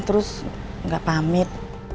terus gak pamit